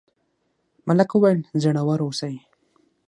ملک وویل زړور اوسئ.